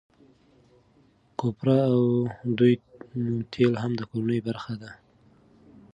کوپره او دوی تېل هم د کورنۍ برخه ده.